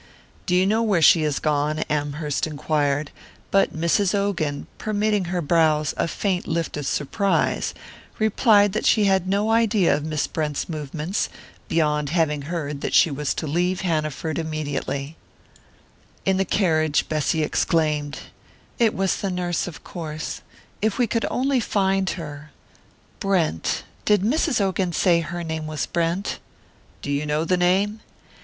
"Do you know where she has gone?" Amherst enquired; but Mrs. Ogan, permitting her brows a faint lift of surprise, replied that she had no idea of Miss Brent's movements, beyond having heard that she was to leave Hanaford immediately In the carriage Bessy exclaimed: "It was the nurse, of course if we could only find her! Brent did Mrs. Ogan say her name was Brent?" "Do you know the name?"